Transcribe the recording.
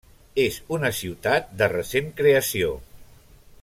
És una ciutat de recent creació.